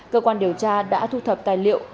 cơ quan điều tra đã thu thập tài liệu